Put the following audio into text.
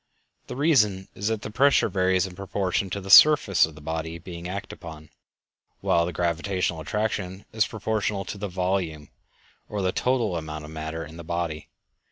The reason is that the pressure varies in proportion to the surface of the body acted upon, while the gravitational attraction is proportional to the volume, or the total amount of matter in the body.